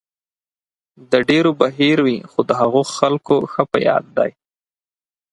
د ډېرو به هېر وي، خو د هغو خلکو ښه په یاد دی.